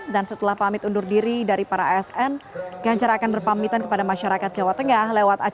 dan setelah pamit undur diri dari para asn ganjar akan berpamitan kepada masyarakat jawa tengah